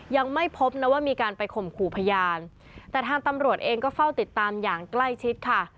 ยังไม่พบนะว่ามีการไปข่มขู่พยานแต่ทางตำรวจเองก็เฝ้าติดตามอย่างใกล้ชิดค่ะ